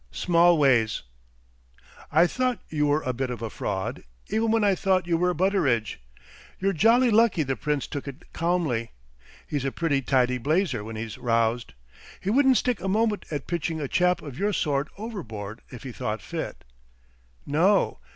"Smallways." "I thought you were a bit of a fraud even when I thought you were Butteridge. You're jolly lucky the Prince took it calmly. He's a pretty tidy blazer when he's roused. He wouldn't stick a moment at pitching a chap of your sort overboard if he thought fit. No!...